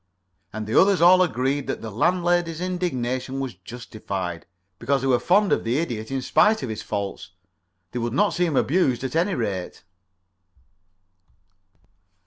And the others all agreed that the landlady's indignation was justified, because they were fond of the Idiot in spite of his faults. They would not see him abused, at any rate.